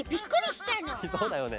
そうだよね。